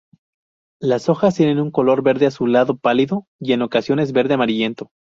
Las hojas tienen un color verde azulado pálido y, en ocasiones, verde amarillento.